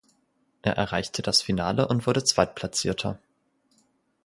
Er erreichte das Finale und wurde Zweitplatzierter.